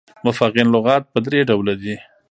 مفغن لغات پر درې ډوله دي.